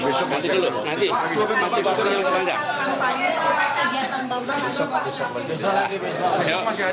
besok nanti dulu nanti masih waktu yang sepanjang